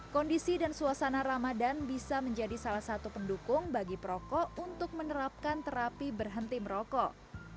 kondisi dan suasana ramadan bisa menjadi salah satu pendukung bagi perokok untuk menerapkan terapi berhenti merokok